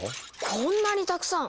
こんなにたくさん！